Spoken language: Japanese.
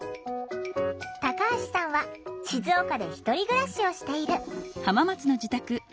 タカハシさんは静岡で１人暮らしをしている。